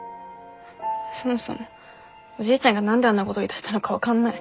そもそもおじいちゃんが何であんなごど言いだしたのか分かんない。